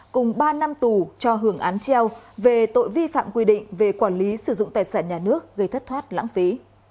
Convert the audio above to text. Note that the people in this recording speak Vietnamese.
cùng ba năm tù cho hưởng án treo về tội vi phạm quy định về quản lý sử dụng tài sản nhà nước gây thất thoát lãng phí